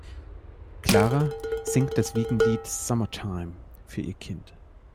Clara singt das Wiegenlied "Summertime" für ihr Kind.